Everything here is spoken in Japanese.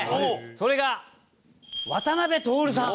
それが渡辺徹さん。